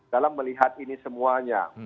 dalam melihat ini semuanya